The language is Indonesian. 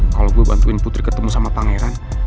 kalau gue bantuin putri ketemu sama pangeran